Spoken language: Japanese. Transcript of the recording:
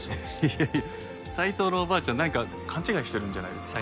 いや斉藤のおばあちゃんなんか勘違いしてるんじゃないですか？